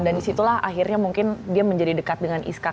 dan disitulah akhirnya mungkin dia menjadi dekat dengan iskak